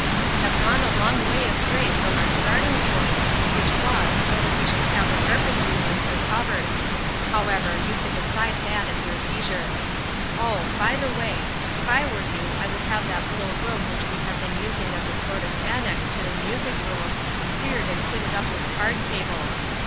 We have gone a long way astray from our starting point, which was, whether we should have the carpets removed or covered. However, you can decide that at your leisure. Oh ! by the way, if I THE OLD QUESTION. lOJ were you I would have that little room which we have been using as a sort of annex to the music room, cleared and fitted up with card tables.